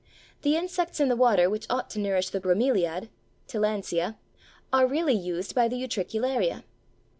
The insects in the water which ought to nourish the Bromeliad (Tillandsia) are really used by the Utricularia.